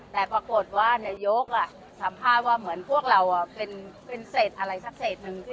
แต่ปรากฏว่านายกสัมภาษณ์ว่าเหมือนพวกเราเป็นเศษอะไรสักเศษหนึ่ง